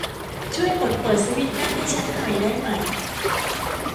ช่วยกดเปิดสวิตซ์นั่นให้ชั้นหน่อยได้ไหม